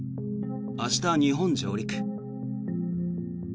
明日、日本上陸。